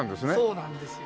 そうなんですよ。